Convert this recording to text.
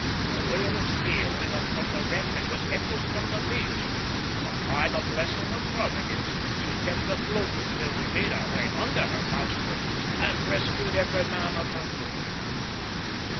A wail of fear went up from the wreck and was echoed from the beach, but by the blessing of Providence she kept afloat until we made our way under her bowsprit and rescued every man of the crew.